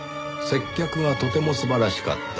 「接客がとても素晴らしかったです」